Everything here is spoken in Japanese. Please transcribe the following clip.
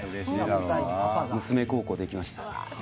娘孝行できました。